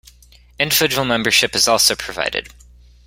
Individual membership is also provided.